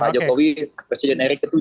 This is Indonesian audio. pak jokowi presiden erik ke tujuh